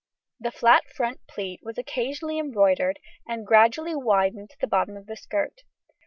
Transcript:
The flat front pleat was occasionally embroidered, and gradually widened to the bottom of the skirt.